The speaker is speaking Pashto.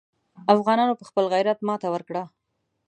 افغانانو په خپل غیرت ماته ورکړه.